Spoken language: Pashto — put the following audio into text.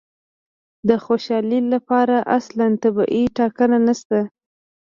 د خوشالي لپاره اصلاً طبیعي ټاکنه نشته.